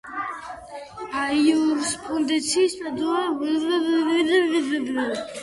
იურისპრუდენციას პადუას უნივერსიტეტში სწავლობდა.